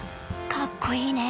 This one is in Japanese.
かっこいいね。